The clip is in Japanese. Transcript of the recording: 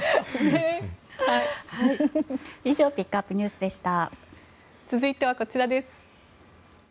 以上ピックアップＮＥＷＳでした。